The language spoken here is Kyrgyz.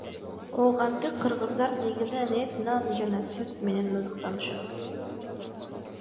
Оогандык кыргыздар негизинен эт, нан жана сүт менен азыктанышат.